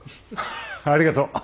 ありがとう。